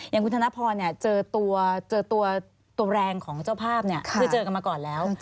อย่างคุณธนพรเจอตัวแรงของเจ้าภาพคือเจอกันมาก่อนแล้ว